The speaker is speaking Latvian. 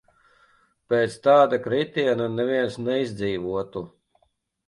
Pēc tāda kritiena neviens neizdzīvotu.